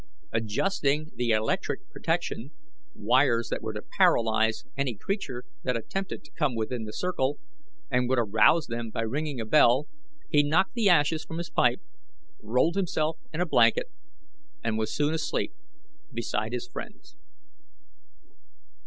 Adjusting the electric protection wires that were to paralyze any creature that attempted to come within the circle, and would arouse them by ringing a bell, he knocked the ashes from his pipe, rolled himself in a blanket, and was soon asleep beside his friends.